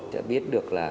sẽ biết được là